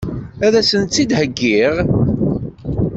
Ad sen-tt-id-heggiɣ?